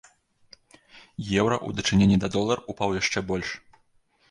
Еўра ў дачыненні да долара ўпаў яшчэ больш.